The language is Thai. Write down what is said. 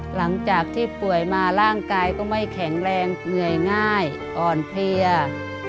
หลังจากที่ป่วยมาร่างกายก็ไม่แข็งแรงเหนื่อยง่ายอ่อนเพลีย